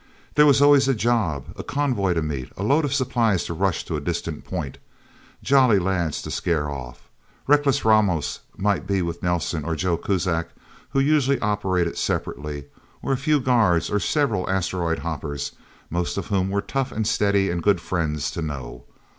There was always a job a convoy to meet, a load of supplies to rush to a distant point, Jolly Lads to scare off. Reckless Ramos might be with Nelsen, or Joe Kuzak who usually operated separately, or a few guards, or several asteroid hoppers, most of whom were tough and steady and good friends to know.